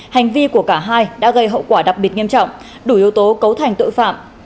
hành vi của cả hai đã gây hậu quả đặc biệt nghiêm trọng đủ yếu tố cấu thành tội phạm